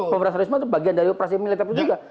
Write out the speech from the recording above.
pemeras terismet itu bagian dari operasi militer pun juga